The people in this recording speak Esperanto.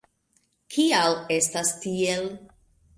Kial estas tiel?